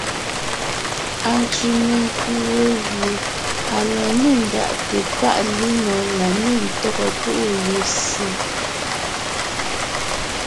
Antsẅì menkʉ̀ we gẅie à la nê ndaʼte páʼ linɔ̀ɔn la nê ntɔ́gɔ púʼu lussé.